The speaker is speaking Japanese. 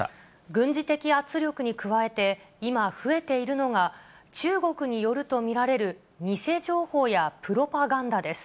軍事的圧力に加えて、今、増えているのが、中国によると見られる偽情報やプロパガンダです。